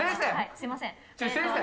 すみません。